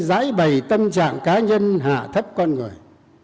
giải bày tâm trạng cá nhân hạ thấp con người